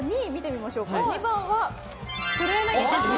２番は、黒柳徹子さん。